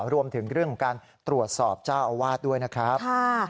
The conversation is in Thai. รวมถึงเรื่องของการตรวจสอบเจ้าอาวาสด้วยนะครับ